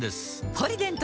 「ポリデント」